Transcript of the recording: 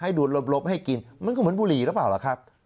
ดูดลบให้กินมันก็เหมือนบุหรี่หรือเปล่าล่ะครับ